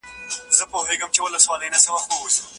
ولي هوډمن سړی د هوښیار انسان په پرتله لوړ مقام نیسي؟